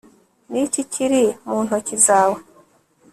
ni iki kiri mu ntoki zawe